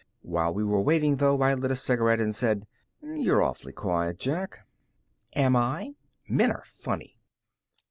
While we were waiting, though, I lit a cigarette and said: "You're awfully quiet, Jack." "Am I? Men are funny."